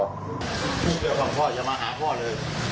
อย่าพออย่ามาหาพ่อเลย